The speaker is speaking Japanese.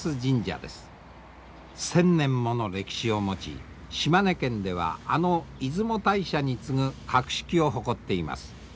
１，０００年もの歴史を持ち島根県ではあの出雲大社に次ぐ格式を誇っています。